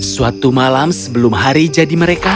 suatu malam sebelum hari jadi mereka